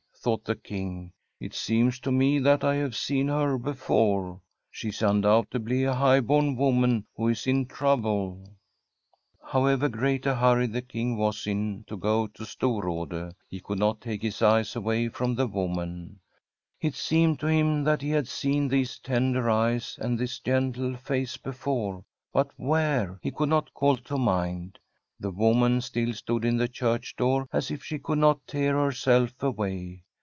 ' thought the King. ^ It seems n> me that I have seen her before. S)h( i$ uoktoubtedly a high bom woman who is in trvHiWe/ Hv>^^ver great a hurry the King was in to ^> to Stv>nrade» he could not take his eyes away wc>m the HX>man. It seemed to him that he had $een the$e tender eyes and this gentle face be fore, but where, he could not call to mind. The wvxtian stilt stood in the church door, as if she cvHild iH>t tear herself away.